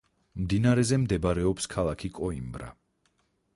მდინარეზე მდებარეობს ქალაქი კოიმბრა.